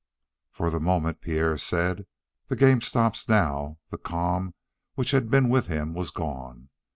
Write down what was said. For the moment Pierre said, "The game stops now," the calm which had been with him was gone.